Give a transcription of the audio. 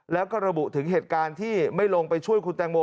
แล้วก็ระบุถึงเหตุการณ์ที่ไม่ลงไปช่วยคุณแตงโม